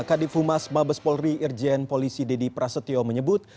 kadifumas mabes polri irjen polisi deddy prasetyo menyebut